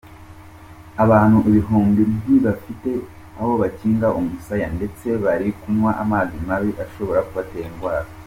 Abantu ibihumbi ntibafite aho bakinga umusaya ndetse bari kunywa amazi mabi ashobora kubatera indwara.